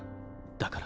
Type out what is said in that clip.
だから。